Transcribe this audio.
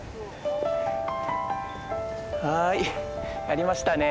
はいやりましたね。